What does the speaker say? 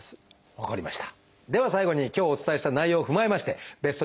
分かりました。